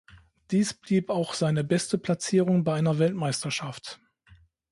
Dies blieb auch seine beste Platzierung bei einer Weltmeisterschaft.